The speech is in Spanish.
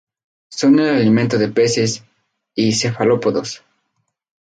Son el alimento de peces y cefalópodos.